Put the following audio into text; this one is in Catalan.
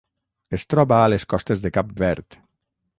Es troba a les costes de Cap Verd.